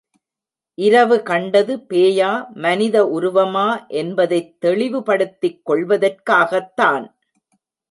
இரவு கண்டது பேயா, மனித உருவமா என்பதைத் தெளிவுப்படுத்திக் கொள்வதற்காகத்தான்.